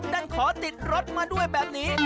นั่นขอติดรถมาด้วยแบบนี้